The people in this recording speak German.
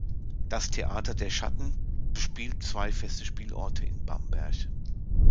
Das „Theater der Schatten“ bespielt zwei feste Spielorte in Bamberg.